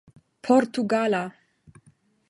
portugala